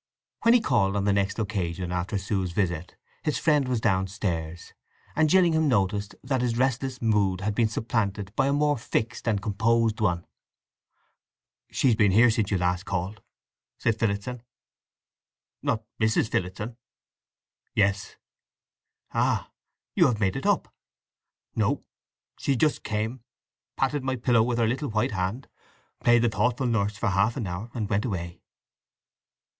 When he called on the next occasion after Sue's visit his friend was downstairs, and Gillingham noticed that his restless mood had been supplanted by a more fixed and composed one. "She's been here since you called last," said Phillotson. "Not Mrs. Phillotson?" "Yes." "Ah! You have made it up?" "No… She just came, patted my pillow with her little white hand, played the thoughtful nurse for half an hour, and went away."